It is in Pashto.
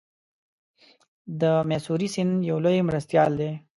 د میسوری سیند یو لوی مرستیال دی.